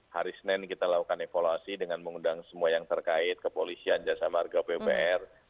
hari senin kita lakukan evaluasi dengan mengundang semua yang terkait kepolisian jasa marga ppr